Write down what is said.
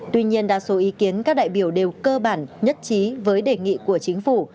tuy nhiên đa số ý kiến các đại biểu đều cơ bản nhất trí với đề nghị của chính phủ